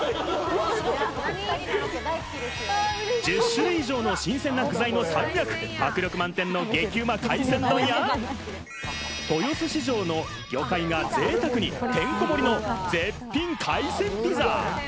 １０種類以上の新鮮な具材の山脈、迫力満点の激ウマ海鮮丼や、豊洲市場の魚介がぜいたくに、てんこ盛りの絶品海鮮ピザ！